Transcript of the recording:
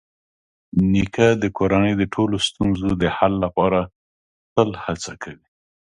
نیکه د کورنۍ د ټولو ستونزو د حل لپاره تل هڅه کوي.